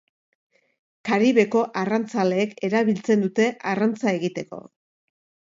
Karibeko arrantzaleek erabiltzen dute arrantza egiteko.